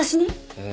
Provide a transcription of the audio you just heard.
ええ。